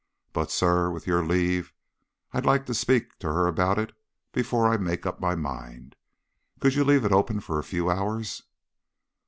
But, sir, with your leave I'd like to speak to her about it before I made up my mind. Could you leave it open for a few hours?"